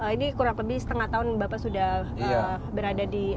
ini kurang lebih setengah tahun bapak sudah berada di